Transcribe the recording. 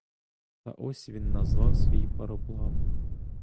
Та ось він назвав свій пароплав.